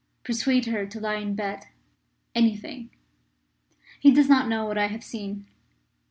Persuade her to lie in bed anything." "He does not know what I have seen.